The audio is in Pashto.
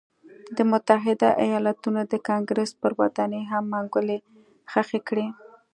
د متحده ایالتونو د کانګرېس پر ودانۍ هم منګولې خښې کړې.